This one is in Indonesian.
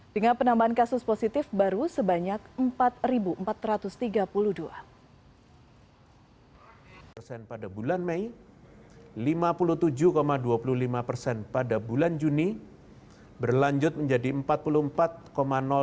dengan penambahan kasus positif baru sebanyak